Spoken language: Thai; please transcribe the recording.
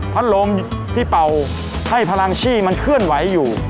ลมที่เป่าให้พลังชี่มันเคลื่อนไหวอยู่